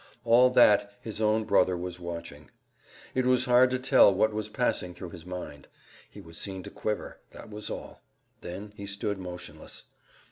All that his own brother was watching. It was hard to tell what was passing through his mind. He was seen to quiver. That was all; then he stood motionless.